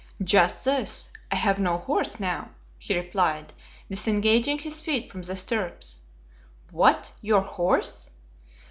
"Just this. I have no horse, now!" he replied, disengaging his feet from the stirrups. "What! your horse?"